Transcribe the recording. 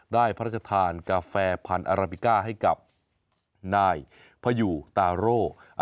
พระราชทานกาแฟพันธุ์อาราบิก้าให้กับนายพยูตาโร่